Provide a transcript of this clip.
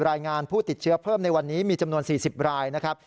รายงานผู้ติดเชื้อเพิ่มในวันนี้มีจำนวน๔๐รายนะครับ